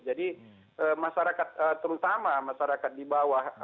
jadi masyarakat terutama masyarakat di bawah